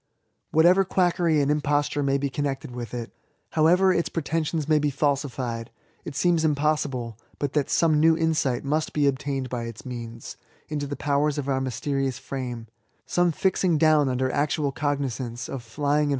Whatever UFE TO THB INVALID. 83 quackeiy and imposture maj be connected with it^ however its pretensions maj be falsified^ it seems impossible but that some new insight most be obtained by its meansj into the powers of our mysterious firame Hsome fixing down under actual cognizance, of flying and.